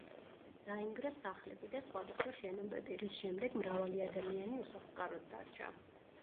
დაინგრა სახლები და სხვადასხვა შენობები, რის შემდეგ მრავალი ადამიანი უსახლკაროდ დარჩა.